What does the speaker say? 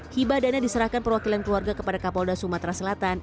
hibah dana diserahkan perwakilan keluarga kepada kapolda sumatera selatan